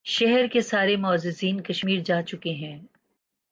شہر کے سارے معززین کشمیر جا چکے ہیں۔